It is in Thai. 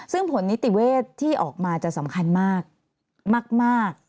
ซึ่งผลนิติเวศที่ออกมาจะสำคัญมาก